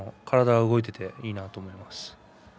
体、動いてていいなと思います。